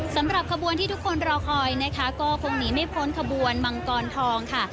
สำหรับขบวนที่ทุกคนรอคอยนะคะก็คงหนีไม่พ้นขบวนมังกรทองค่ะ